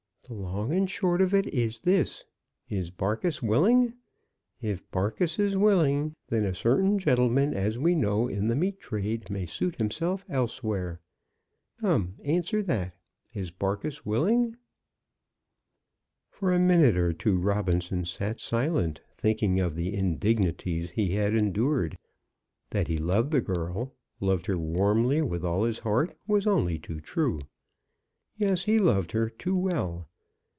The long and short of it is this; is Barkis willing? If Barkis is willing, then a certain gentleman as we know in the meat trade may suit himself elsewhere. Come; answer that. Is Barkis willing?" For a minute or two Robinson sat silent, thinking of the indignities he had endured. That he loved the girl, loved her warmly, with all his heart, was only too true. Yes; he loved her too well.